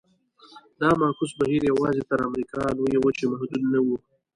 دا معکوس بهیر یوازې تر امریکا لویې وچې محدود نه و.